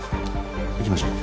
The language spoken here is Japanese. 行きましょう。